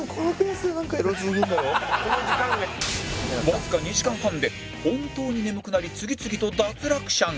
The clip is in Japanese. わずか２時間半で本当に眠くなり次々と脱落者が！